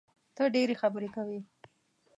ته ډېري خبري کوې!